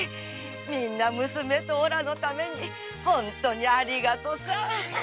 みんな娘とおらのために本当にありがとさん。